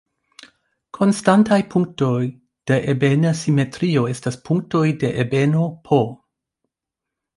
Konstantaj punktoj de ebena simetrio estas punktoj de ebeno "P".